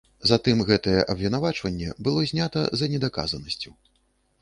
Затым гэтае абвінавачванне было знята за недаказанасцю.